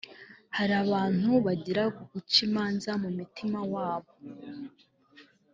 Hari abantu bagira guca imanza mu mutima wabo